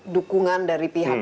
dukungan dari pihak